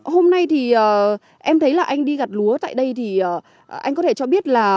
hôm nay thì em thấy là anh đi gặt lúa tại đây thì anh có thể cho biết là